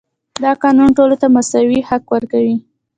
دا قانون ټولو ته مساوي حق ورکوي.